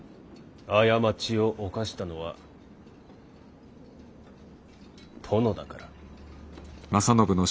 過ちを犯したのは殿だから。